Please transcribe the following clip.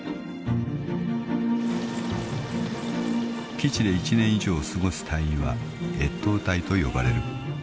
［基地で１年以上を過ごす隊員は越冬隊と呼ばれる］